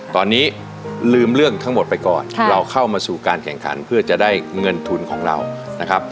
ตอนนี้ลืมเรื่องทั้งหมดไปก่อนเราเข้ามาสู่การแข่งขันเพื่อจะได้เงินทุนของเรานะครับ